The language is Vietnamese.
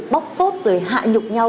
bóc phốt rồi hạ nhục nhau